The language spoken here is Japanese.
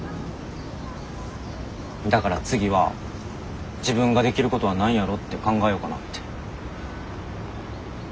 だから次は自分ができることは何やろうって考えようかなって。